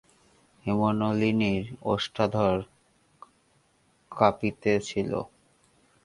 হেমনলিনীর ওষ্ঠাধর কাঁপিতেছিল।